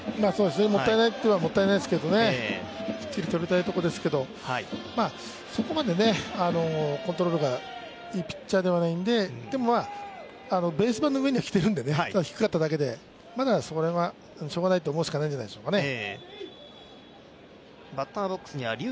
もったいないといえばもったいないですけど、きっちりとりたいところですけど、そこまでコントロールがいいピッチャーじゃないんででも、ベース板の上にはきているんでね、ただ低かっただけでまだそこら辺はしょうがないと思うしかないんじゃないですかね。